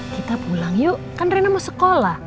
kita pulang yuk kan rena mau sekolah